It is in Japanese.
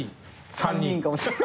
３人かもしれない。